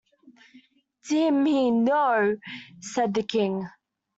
‘Dear me, no!’ said the King.